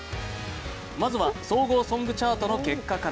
まずは総合ソング・チャートの結果から。